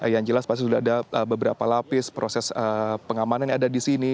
yang jelas pasti sudah ada beberapa lapis proses pengamanan yang ada di sini